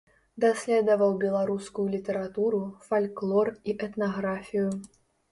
Даследаваў беларускую літаратуру, фальклор і этнаграфію.